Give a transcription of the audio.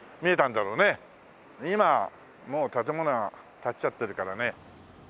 今もう建物が立っちゃってるからね。